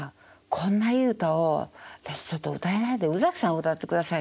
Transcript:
こんないい歌を私ちょっと歌えないんで宇崎さん歌ってください